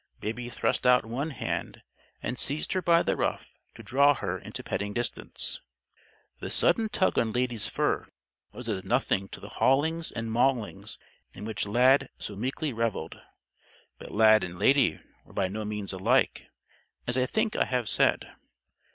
Baby thrust out one hand, and seized her by the ruff to draw her into petting distance. The sudden tug on Lady's fur was as nothing to the haulings and maulings in which Lad so meekly reveled. But Lad and Lady were by no means alike, as I think I have said.